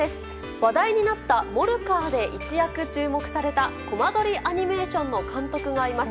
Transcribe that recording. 話題になった「モルカー」で一躍注目されたコマ撮りアニメーションの監督がいます。